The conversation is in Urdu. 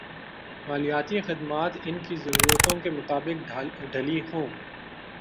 مالیاتی خدمات ان کی ضرورتوں کے مطابق ڈھلی ہوں